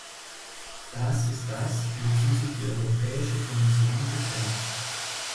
Das ist das, wozu sich die Europäische Kommission bekennt.